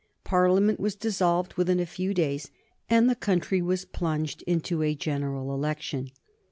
Parliament was dissolved within a few days and the country was plunged into a general election.